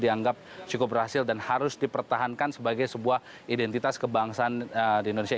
dianggap cukup berhasil dan harus dipertahankan sebagai sebuah identitas kebangsaan di indonesia